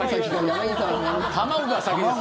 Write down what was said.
卵が先です。